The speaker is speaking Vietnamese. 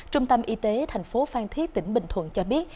trung tâm y tế tp phan thiết tỉnh bình thuận cho biết